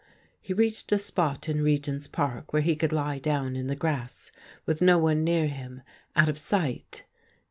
He reached a spot in Regent's Park where he could lie down in the grass with no one near him, out of sight.